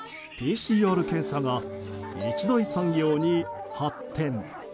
ＰＣＲ検査が一大産業に発展。